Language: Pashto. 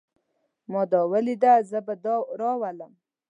ما دا وليده. زه به دا راولم.